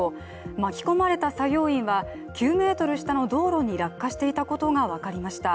巻き込まれた作業員は、９ｍ下の道路に落下していたことが分かりました。